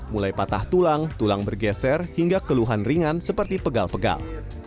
mulai patah tulang tulang bergeser hingga keluhan ringan seperti pegal pegal